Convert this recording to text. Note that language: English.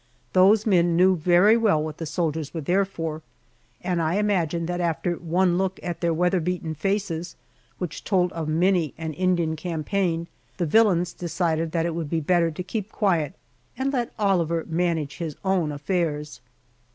Those men knew very well what the soldiers were there for, and I imagine that after one look at their weather beaten faces, which told of many an Indian campaign, the villains decided that it would be better to keep quiet and let Oliver manage his own affairs.